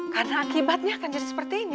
karena akibatnya akan jadi seperti ini